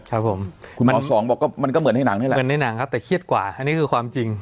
ครับผมคุณหมอสองบอกก็มันก็เหมือนในหนังนี่แหละเหมือนในหนังครับแต่เครียดกว่าอันนี้คือความจริง